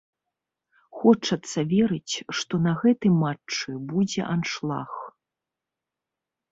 Хочацца верыць, што на гэтым матчы будзе аншлаг.